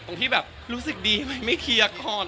ตรงที่แบบรู้สึกดีไม่เคลียร์ก่อน